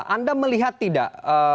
anda melihat tidak